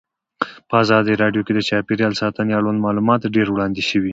په ازادي راډیو کې د چاپیریال ساتنه اړوند معلومات ډېر وړاندې شوي.